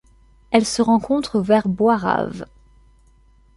Elle se rencontre vers Boirave.